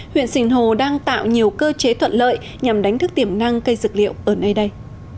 huyện sinh hồ đang tạo nhiều cơ chế thuận lợi nhằm đánh thức tiềm năng cây dược liệu ở nơi đây